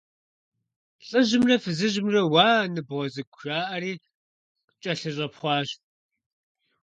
ЛӀыжьымрэ фызыжьымрэ, «уа, ныбгъуэ цӀыкӀу!» жаӀэри, кӀэлъыщӀэпхъуащ.